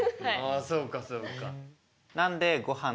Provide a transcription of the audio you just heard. そうかそうか。